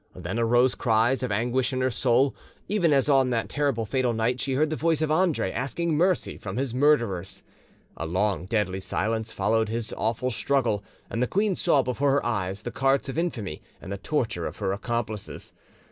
Then arose cries of anguish in her soul, even as on that terrible fatal night she heard the voice of Andre asking mercy from his murderers. A long deadly silence followed his awful struggle, and the queen saw before her eyes the carts of infamy and the torture of her accomplices.